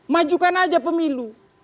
majukan saja pemilu